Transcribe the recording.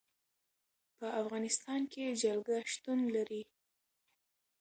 په افغانستان کې جلګه شتون لري.